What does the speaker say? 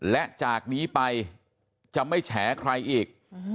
และจากนี้ไปจะไม่แฉใครอีก